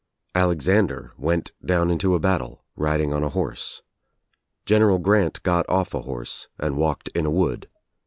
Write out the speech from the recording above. Alexander went down into a battle riding on a horse. General Grant got off a horse and walked in a wood.